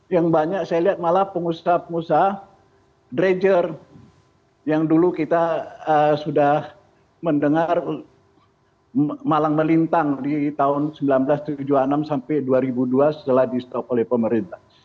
yang banyak saya lihat malah pengusaha pengusaha drager yang dulu kita sudah mendengar malang melintang di tahun seribu sembilan ratus tujuh puluh enam sampai dua ribu dua setelah di stop oleh pemerintah